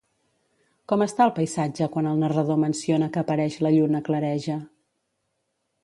Com està el paisatge quan el narrador menciona que apareix la lluna clareja?